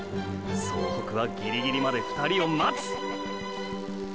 総北はギリギリまで２人を待つ！！